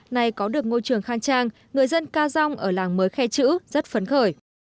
này có được ngôi trường khang trang người dân ca rong ở làng mới khe chữ rất phấn khởi